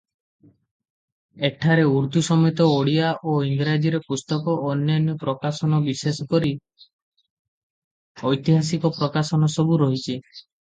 ଏଠାରେ ଉର୍ଦ୍ଦୁ ସମେତ ଓଡ଼ିଆ ଓ ଇଂରାଜୀରେ ପୁସ୍ତକ ଓ ଅନ୍ୟାନ୍ୟ ପ୍ରକାଶନ ବିଶେଷ କରି ଐତିହାସିକ ପ୍ରକାଶନସବୁ ରହିଛି ।